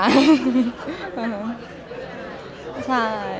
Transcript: อ๋อไม่ค่ะไม่